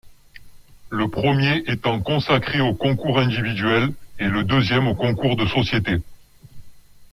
Le premier étant consacré aux concours individuels et le deuxième aux concours de sociétés.